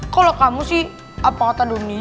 kalau kamu sih apa kota dunia